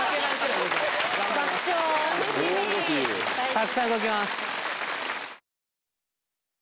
たくさん動きます。